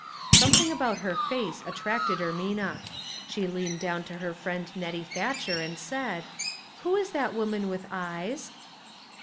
Something about her face attracted Ermina. She leaned down to her friend Nettie Thatcher and said, —" Who is that woman with eyes